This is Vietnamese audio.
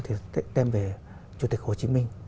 thì tem về chủ tịch hồ chí minh